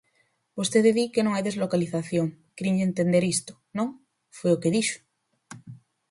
Vostede di que non hai deslocalización, crinlle entender isto, ¿non?, foi o que dixo.